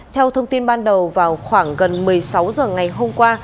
theo thông tin ban đầu vào khoảng gần một mươi sáu h ngày hôm qua